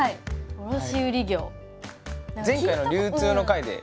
卸売業。